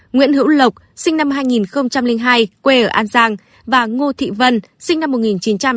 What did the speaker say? nguyễn hữu lộc sinh năm hai nghìn hai quê ở an giang và ngô thị vân sinh năm một nghìn chín trăm tám mươi